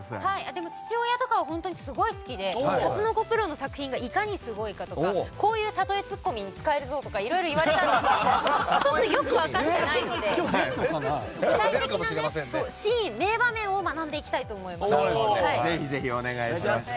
でも父親とかはすごい好きでタツノコプロの作品がいかにすごいかとかこういう例えツッコミに使えるぞとかいろいろ言われたんですけどよく分かっていないので具体的な名場面をぜひぜひ、お願いします。